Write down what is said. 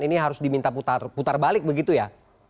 ini harus diminta putar balik begitu ya